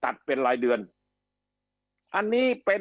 คำอภิปรายของสอสอพักเก้าไกลคนหนึ่ง